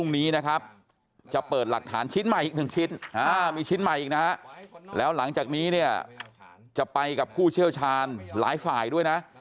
มีชิ้นใหม่อีกนะครับแล้วหลังจากนี้จะไปกับผู้เชี่ยวชาญหลายฝ่ายด้วยนะ